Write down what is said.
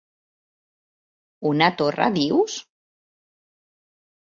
Una torra, dius?